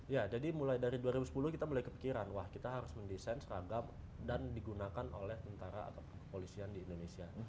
ya jadi mulai dari dua ribu sepuluh kita mulai kepikiran wah kita harus mendesain seragam dan digunakan oleh tentara atau kepolisian di indonesia